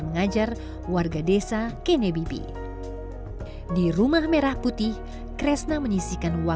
membuat warga desa kiniwibi tergerak untuk menjadi lebih maju dan berdaya